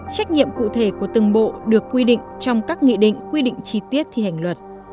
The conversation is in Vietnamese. trách nhiệm cụ thể của từng bộ được quy định trong các nghị định quy định chi tiết thi hành luật